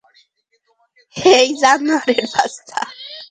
হেই জানোয়ার বাচ্চা!